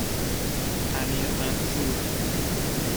امیرمنصور